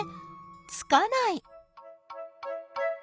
つかない。